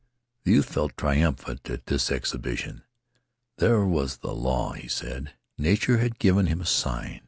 The youth felt triumphant at this exhibition. There was the law, he said. Nature had given him a sign.